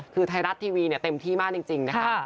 คือไทยรัฐทีวีเต็มที่มากจริงนะคะ